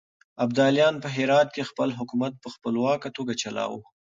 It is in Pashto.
ابداليانو په هرات کې خپل حکومت په خپلواکه توګه چلاوه.